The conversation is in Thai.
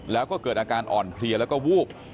แล้วก็เกิดอาการอ่อนเพลียแล้วก็วูบ